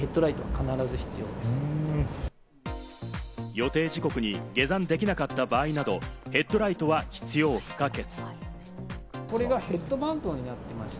予定時刻に下山できなかった場合など、ヘッドライトは必要不可欠。